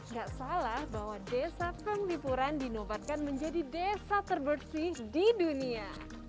gak salah bahwa desa penglipuran dinobatkan menjadi desa terbersih di dunia